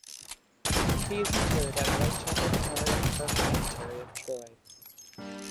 He is interred at White Chapel Memorial Park Cemetery of Troy.